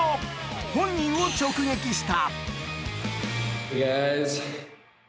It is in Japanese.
本人を直撃した。